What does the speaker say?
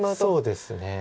そうですね。